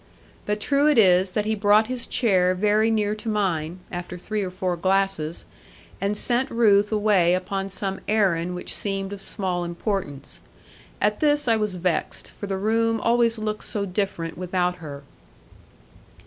But true it is that he brought his chair very near to mine, after three or four glasses, and sent Ruth away upon some errand which seemed of small importance. At this I was vexed, for the room always looked so different without her.